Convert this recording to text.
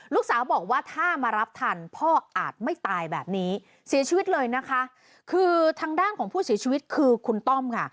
ลูกสาวบอกว่าถ้ามารับทันพ่ออาจไม่ตายแบบนี้เสียชีวิตเลยนะคะคือทางด้านของผู้เสียชีวิตคือคุณต้อมค่ะ